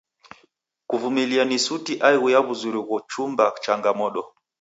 Kuvumilia ni suti aighu ya w'uzuri ghochumba changamodo.